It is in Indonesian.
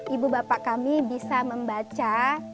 ibu bapak kami bisa membaca